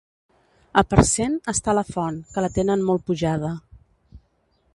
A Parcent està la font, que la tenen molt pujada.